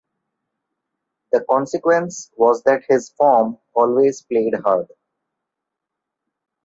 The consequence was that his form always played hard.